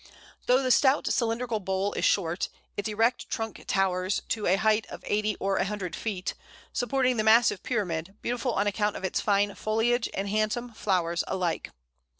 Though the stout cylindrical bole is short, its erect trunk towers to a height of eighty or a hundred feet, supporting the massive pyramid, beautiful on account of its fine foliage and handsome flowers alike.